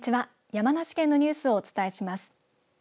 山梨県のニュースをお伝えします。